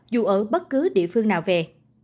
dù ở bất cứ địa phương nào về